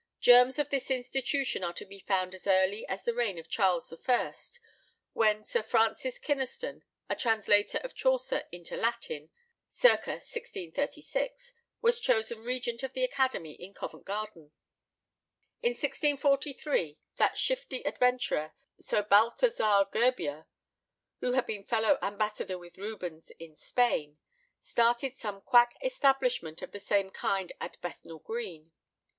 Germs of this institution are to be found as early as the reign of Charles I., when Sir Francis Kynaston, a translator of Chaucer into Latin (circa 1636), was chosen regent of an academy in Covent Garden. In 1643 that shifty adventurer, Sir Balthazar Gerbier, who had been fellow ambassador with Rubens in Spain, started some quack establishment of the same kind at Bethnal Green.